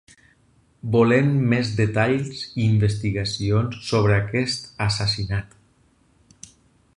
Volem més detalls i investigacions sobre aquest assassinat.